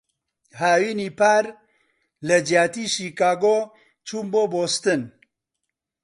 هاوینی پار، لەجیاتیی شیکاگۆ چووم بۆ بۆستن.